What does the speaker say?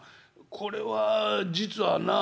これは実はな」。